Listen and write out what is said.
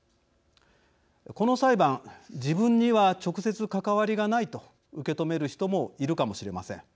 この裁判自分には直接関わりがないと受け止める人もいるかもしれません。